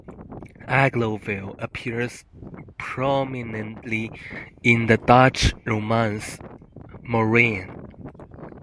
Aglovale appears prominently in the Dutch romance "Morien".